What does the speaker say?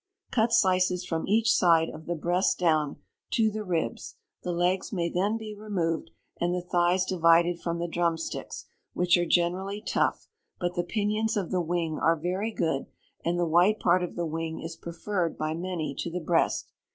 Cut slices from each side of the breast down, to the ribs; the legs may then be removed, and the thighs divided from the drumsticks, which are generally tough; but the pinions of the wing are very good, and the white part of the wing is preferred by many to the breast.